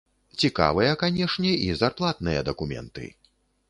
Цікавыя, канешне, і зарплатныя дакументы.